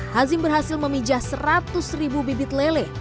hazim berhasil memijah seratus ribu bibit lele